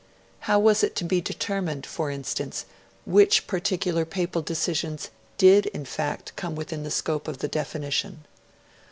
How was it to be determined, for instance, which particular Papal decisions did in fact come within the scope of the definition?